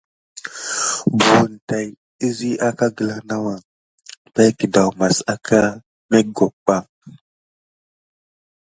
Bukine tay kizikia aka gəla nawua pay gedamase àka mekok ɓa.